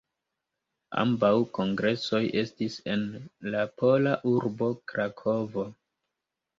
Ambaŭ kongresoj estis en la pola urbo Krakovo.